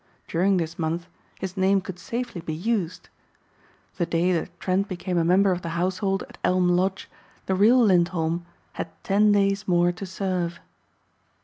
During this month his name could safely be used. The day that Trent became a member of the household at Elm Lodge the real Lindholm had ten days more to serve.